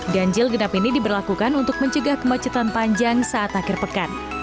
ganjil genap ini diberlakukan untuk mencegah kemacetan panjang saat akhir pekan